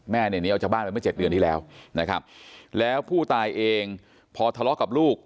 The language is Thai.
เนี่ยหนีออกจากบ้านไปเมื่อเจ็ดเดือนที่แล้วนะครับแล้วผู้ตายเองพอทะเลาะกับลูก